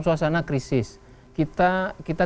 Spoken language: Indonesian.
suasana krisis kita